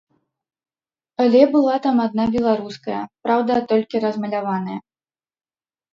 Але была там адна беларуская, праўда, толькі размаляваная.